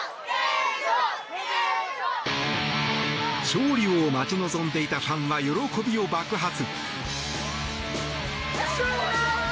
勝利を待ち望んでいたファンは喜びを爆発。